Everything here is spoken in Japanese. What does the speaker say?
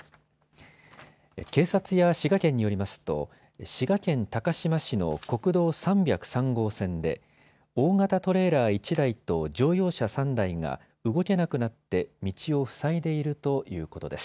警察や滋賀県によりますと滋賀県高島市の国道３０３号線で大型トレーラー１台と乗用車３台が動けなくなって道を塞いでいるということです。